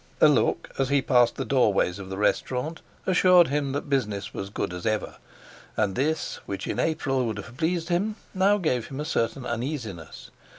A look, as he passed the doorways of the restaurant, assured him that business was good as ever, and this, which in April would have pleased him, now gave him a certain uneasiness.